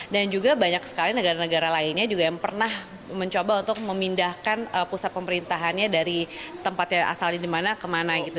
dan juga banyak sekali negara negara lainnya juga yang pernah mencoba untuk memindahkan pusat pemerintahannya dari tempat yang asal di mana ke mana gitu